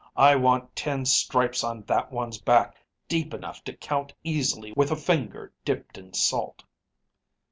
I want ten stripes on that one's back deep enough to count easily with a finger dipped in salt.'